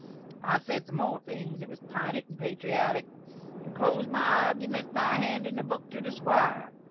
I sed sum more things that was pinted and patriotik, and closd my argyment by handin' the book to the Squire.